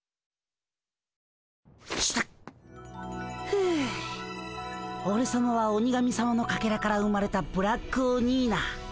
ふうおれさまは鬼神さまのかけらから生まれたブラックオニーナ。